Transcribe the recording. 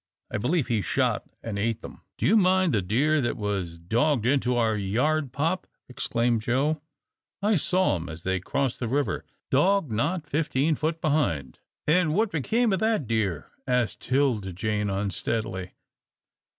I believe he shot and ate them." "Do you mind the deer that was dogged into our yard, pop?" exclaimed Joe. "I saw 'em as they crossed the river dog not fifteen foot behind." "And what became of that deer?" asked 'Tilda Jane, unsteadily.